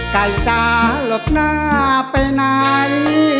ไก่จ๋าหลบหน้าไปไหน